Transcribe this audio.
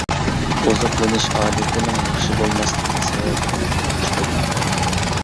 ئوزۇقلىنىش ئادىتىنىڭ ياخشى بولماسلىقى سەۋەبىدىن كېلىپ چىقىدۇ.